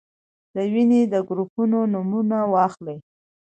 د وینې د ګروپونو نومونه واخلئ.